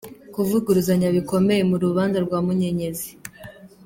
Kuvuguruzanya bikomeye mu rubanza rwa Munyenyezi